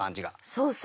そうそう。